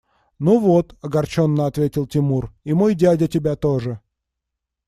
– Ну вот, – огорченно ответил Тимур, – и мой дядя тебя тоже!